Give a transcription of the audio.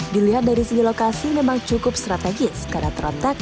dilihat dari segi lokasi memang cukup strategis karena terontak